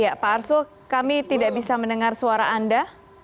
ya pak arsul kami tidak bisa mendengar suara anda